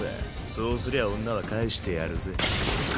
そうすりゃ女は返してやるぜ。